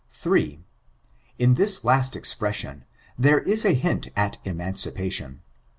In this last expression, there is a hint at emancipa tion.